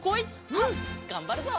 うんがんばるぞ！